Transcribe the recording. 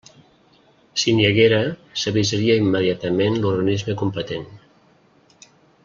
Si n'hi haguera, s'avisaria immediatament l'organisme competent.